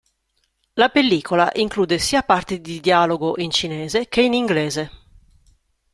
La pellicola include sia parti di dialogo in cinese che in inglese.